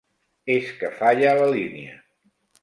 És que falla la línia.